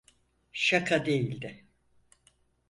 Şaka değildi.